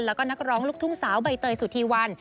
แล้วก็นักร้องลูกทุ่งสาวใบเตยสุธีวัน